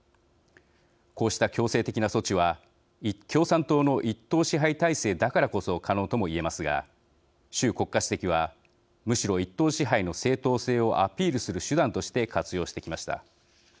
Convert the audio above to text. こうした強制的な措置は共産党の一党支配体制だからこそ可能とも言えますが習国家主席はむしろ一党支配の正統性をアピールする手段として活用してきました。